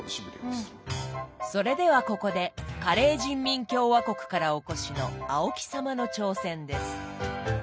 それではここでカレー人民共和国からお越しの青木様の挑戦です。